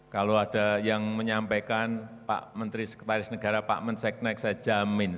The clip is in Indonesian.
kalau ada yang menyampaikan pak menteri sekretaris negara pak menseknek saya jamin